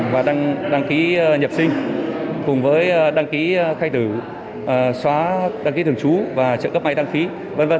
và đăng ký nhập sinh cùng với đăng ký khai tử xóa đăng ký thường trú và trợ cấp may đăng phí v v